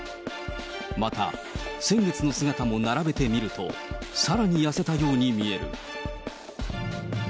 また、先月の姿も並べてみると、さらに痩せたように見える。